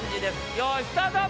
よいスタート！